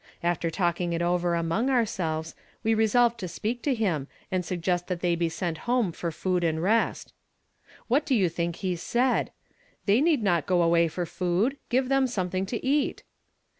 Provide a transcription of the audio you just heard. After talking it over among ourselves, we resolved to speak to him, and suggest that they be sent home for food and rest. "What do you think he said? 'They need not go away for food; give them something to eat.'